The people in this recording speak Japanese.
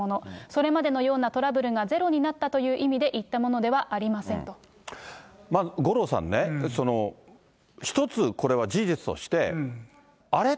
それまでのようなトラブルがゼロになったという意味で言ったもの五郎さんね、一つ、これは事実として、あれ？